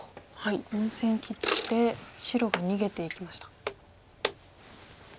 ４線切って白が逃げていきました。